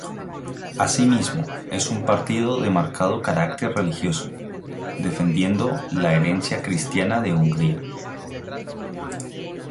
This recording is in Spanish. Asimismo, es un partido de marcado carácter religioso, defendiendo la herencia cristiana de Hungría.